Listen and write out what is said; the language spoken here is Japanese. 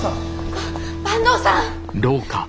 あっ坂東さん。